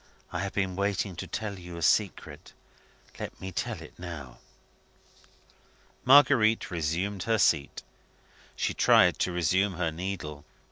"I have been waiting to tell you a secret. Let me tell it now." Marguerite resumed her seat. She tried to resume her needle.